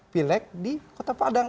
pilek di kota padang